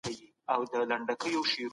غیر حاضری مه کوئ.